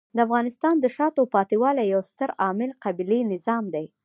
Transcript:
د افغانستان د شاته پاتې والي یو ستر عامل قبیلې نظام دی.